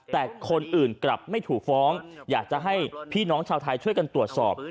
แต่คนอื่นกลับไม่ถูกฟ้องอยากจะให้พี่น้องชาวไทยช่วยกันตรวจสอบ